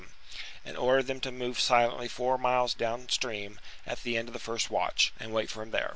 from Metiosedum, and ordered them to move silently four miles down stream at the end of the first watch, and wait for him there.